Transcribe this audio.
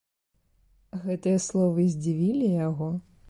Гэтыя словы здзівілі яго.